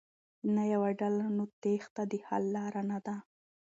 نه يوه ډله ،نو تېښته د حل لاره نه ده.